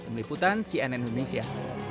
meliputan cnn indonesia